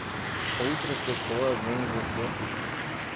Outras pessoas veem você